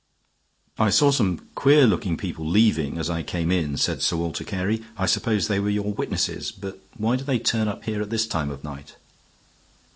"I saw some queer looking people leaving as I came in," said Sir Walter Carey. "I suppose they were your witnesses. But why do they turn up here at this time of night?"